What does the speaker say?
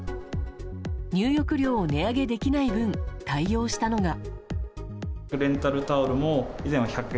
入浴料を値上げできない分対応したのが。